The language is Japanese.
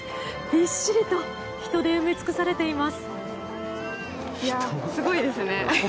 びっしりと人で埋め尽くされています。